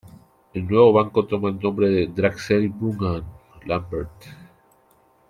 El nuevo banco toma el nombre de Drexel Burnham Lambert.